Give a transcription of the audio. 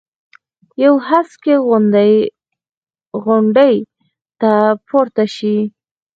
یوې هسکې غونډۍ ته پورته شي.